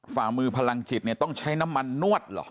ฝ่ามือพลังจิตเนี่ยต้องใช้น้ำมันนวดเหรอ